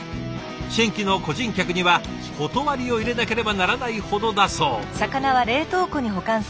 新規の個人客には断りを入れなければならないほどだそう。